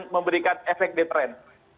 dan memberikan efek deteren